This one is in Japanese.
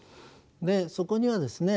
そこにはですね